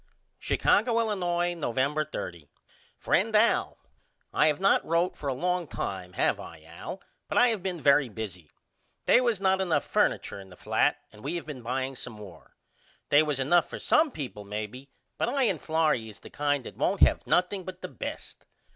Chicago, Illinois, November 30. FRIEND AL: I have not wrote for a longtime have I Al but I have been very busy. They was not enough furniture in the flat and we have been buying some more. They was enough for some people maybe but I and Florrie is the kind that won't have nothing but the best.